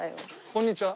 こんにちは。